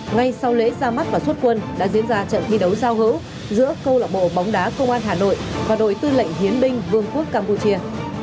ngay sau lễ ra mắt và xuất quân đã diễn ra trận thi đấu giao hữu giữa câu lạc bộ bóng đá công an hà nội và đội tư lệnh hiến binh vương quốc campuchia